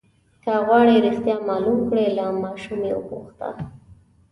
که غواړئ رښتیا معلوم کړئ له ماشوم یې وپوښته.